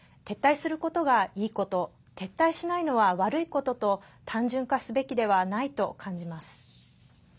撤退することがいいこと撤退しないのは悪いことと単純化すべきではないと感じます。